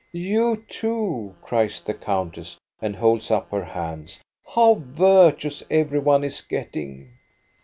" You, too," cries the countess, and holds up her hands. " How virtuous every one is getting